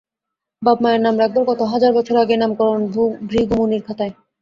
বাপ মায়ে নাম রাখবার কত হাজার বছর আগেই নামকরণ ভৃগুমুনির খাতায়!